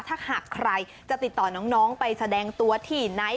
ถ้าหากใครจะติดต่อน้องไปแสดงตัวที่ไหน